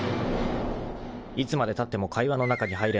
［いつまでたっても会話の中に入れない］